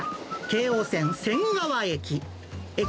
京王線仙川駅。